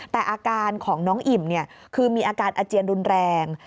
แต่อาการของน้องอิ่มคือมีอาการอาเจียนรุนแรง